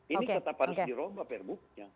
ini tetap harus dirombak per bukunya